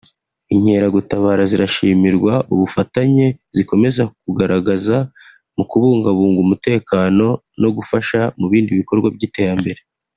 Inkeragutabara zirashimirwa ubufatanye zikomeza kugaragaza mu kubungabunga umutekano no gufasha mu bindi bikorwa by’iterambere